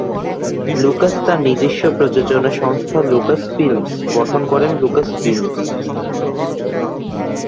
Lucas তার নিজস্ব প্রযোজনা সংস্থা লুকাস ফিল্মস গঠন করেন লুকাস ফিল্মস।